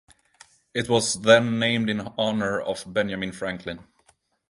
It was then named in honor of Benjamin Franklin.